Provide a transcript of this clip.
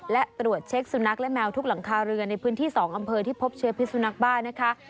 และตรวจเช็คสุนัขและแมวทุกหลังคาเรือนในพื้นที่๒อำเภอที่พบเชื้อพิสุนักบ้านะคะ